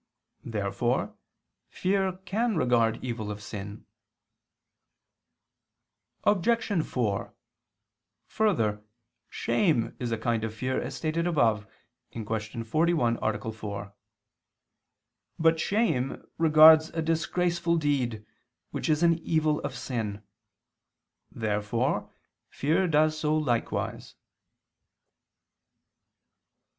Therefore fear can regard evil of sin. Obj. 4: Further, shame is a kind of fear, as stated above (Q. 41, A. 4). But shame regards a disgraceful deed, which is an evil of sin. Therefore fear does so likewise.